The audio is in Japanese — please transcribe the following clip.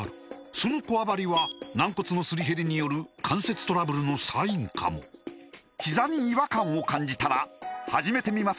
そのこわばりは軟骨のすり減りによる関節トラブルのサインかもひざに違和感を感じたら始めてみませんか